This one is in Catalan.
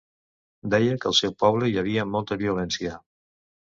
Deia que al seu poble hi havia molta violència.